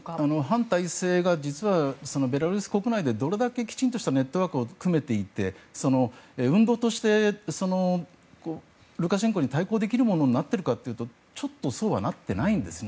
反体制がベラルーシ国内でどれだけきちんとしたネットワークを組めていて運動として、ルカシェンコに対抗できるものになっているかというとちょっとそうはなっていないんですね。